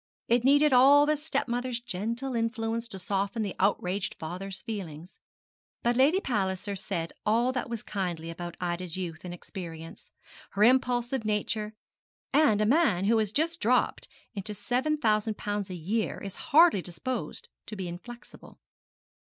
It needed all the stepmother's gentle influence to soften the outraged father's feelings. But Lady Palliser said all that was kindly about Ida's youth and inexperience, her impulsive nature; and a man who has just dropped into £7,000 a year is hardly disposed to be inflexible.